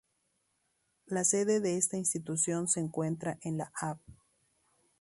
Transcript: La Sede de esta institución se encuentra en la Av.